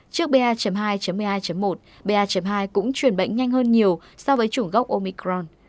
trước ba hai một mươi hai một ba hai cũng chuyển bệnh nhanh hơn nhiều so với chủng gốc omicron